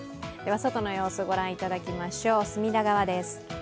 では外の様子、御覧いただきましょう、隅田川です。